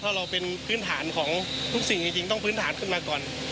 ถ้าเราเป็นพื้นฐานของทุกสิ่งจริงต้องพื้นฐานขึ้นมาก่อน